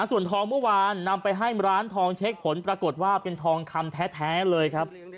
ส่วนทองเมื่อวานนำไปให้ร้านทองเช็คผลปรากฏว่าเป็นทองคำแท้เลยครับ